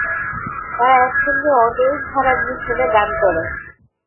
তারা একসঙ্গে অনেক ধারার মিশ্রণে গান করে।